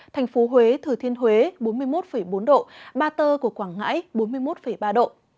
thành phố huế thừa thiên huế bốn mươi một bốn độ ba tơ của quảng ngãi bốn mươi một ba độ